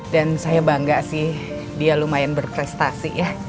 dan saya bangga sih dia lumayan berprestasi ya